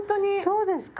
そうですか？